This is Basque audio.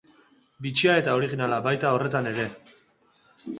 Bitxia eta originala, baita horretan ere.